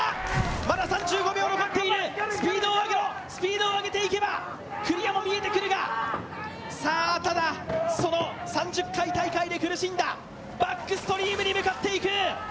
まだ３５秒残っている、スピードを上げていけばクリアも見えてくるがただ、その３０回大会で苦しんだバックストリームに向かっていく。